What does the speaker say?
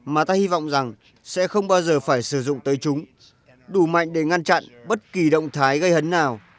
mà ta hy vọng rằng sẽ không bao giờ phải sử dụng tới chúng đủ mạnh để ngăn chặn bất kỳ động thái gây hấn nào